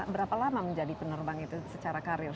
berapa lama menjadi penerbang itu secara karir